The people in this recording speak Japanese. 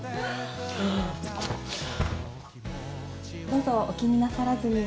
どうぞお気になさらずに。